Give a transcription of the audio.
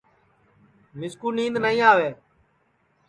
میسکُو نِینٚدؔ نائی آوے